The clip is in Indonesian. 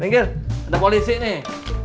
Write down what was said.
nenggel ada polisi nih